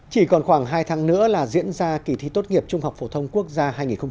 chỉ còn khoảng hai tháng nữa là diễn ra kỳ thi tốt nghiệp trung học phổ thông quốc gia hai nghìn hai mươi